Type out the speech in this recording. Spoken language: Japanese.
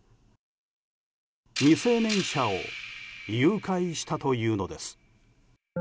未成年者を誘拐したというのです。